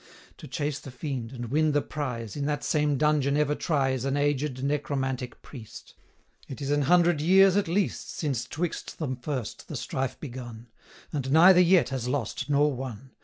185 To chase the fiend, and win the prize, In that same dungeon ever tries An aged Necromantic Priest; It is an hundred years at least, Since 'twixt them first the strife begun, 190 And neither yet has lost nor won.